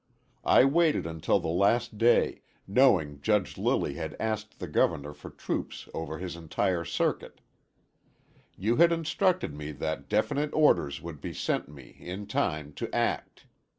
I waited until the last day, knowing Judge Lilly had asked the Governor for troops over his entire circuit. You had instructed me that definite orders would be sent me in time to act.